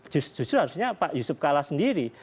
justru harusnya pak yusuf kala sendiri